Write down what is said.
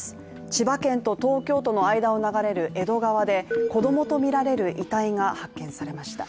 千葉県と東京都の間を流れる江戸川で子供とみられる遺体が発見されました。